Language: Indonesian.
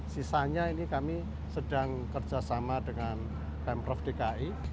sisanya ini kami sedang kerjasama dengan pemprov dki